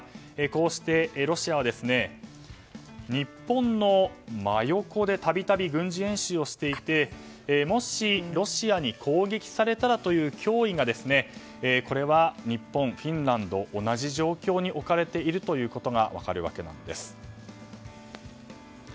こうして、ロシアは日本の真横で度々軍事演習をしていてもし、ロシアに攻撃されたらという脅威がこれは日本、フィンランド同じ状況に置かれているということが分かるわけなんです。